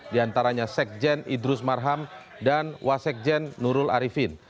di antaranya sekjen idrus marham dan wasekjen nurul arifin